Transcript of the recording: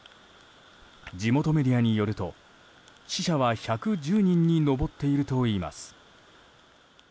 地元メディアによると死者は１１０人に上っているといいます。